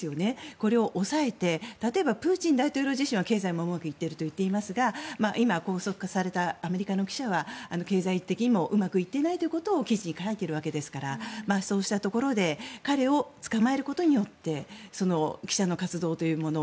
これを抑えて例えばプーチン大統領自身は経済もうまくいっていると言っていますが今、拘束されたアメリカの記者は経済的にもうまくいっていないということを記事に書いているわけですからそうしたところで彼を捕まえることによって記者の活動というもの